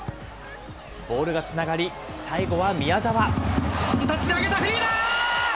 ボールがつながり、最後は宮澤。